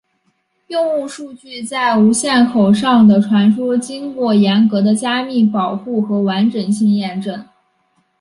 用户数据在无线口上的传输经过严格的加密保护和完整性验证。